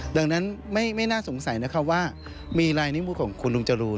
ดังนั้นไม่น่าสงสัยนะคะว่ามีลายนิ้วมือของคุณลุงจรูน